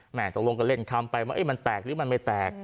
ตกลงก็เล่นคำไปว่ามันแตกหรือมันไม่แตก